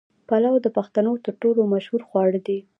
پلو د پښتنو تر ټولو مشهور خواړه دي.